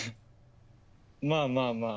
まあまあまあ。